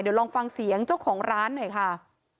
เดี๋ยวลองฟังเสียงเจ้าของร้านหน่อยค่ะ